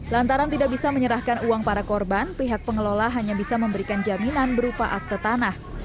lantaran tidak bisa menyerahkan uang para korban pihak pengelola hanya bisa memberikan jaminan berupa akte tanah